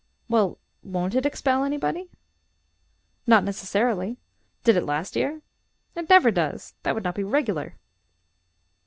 "Well won't it expel anybody?" "Not necessarily. Did it last year? It never does. That would not be regular."